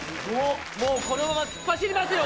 もうこのまま突っ走りますよ